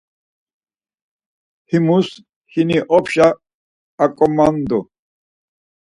Himus hini opşa aǩomandu.